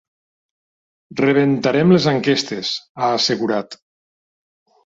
Rebentarem les enquestes, ha assegurat.